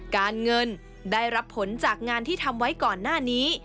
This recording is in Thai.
การเงินได้รับผลจากงานที่ทำไว้ก่อนหน้านี้